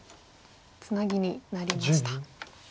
ツナギになりました。